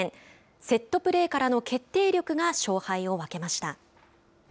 セットプレーからの決定力が勝敗を分けました。